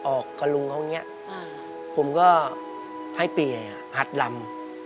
ออกกระลุงเขาอย่างนี้ผมก็ให้ปีไหนหัดลำ